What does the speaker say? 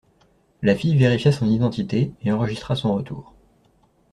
La fille vérifia son identité et enregistra son retour.